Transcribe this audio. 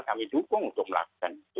kami dukung untuk melakukan itu